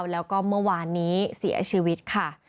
แล้วก็เมื่อวานนี้เสียชีวิตค่ะ